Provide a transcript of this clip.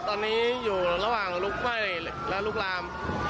ตอนนี้อยู่ระหว่างลุกไหม้และลุกลาม